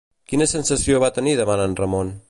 Quina sensació va tenir davant en Ramon?